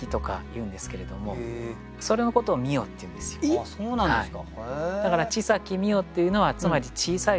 あっそうなんですか。